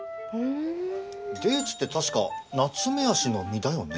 デーツって確かナツメヤシの実だよね。